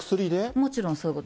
もちろんそういうこと。